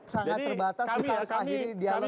sangat terbatas kita akhiri dialog kita malam hari ini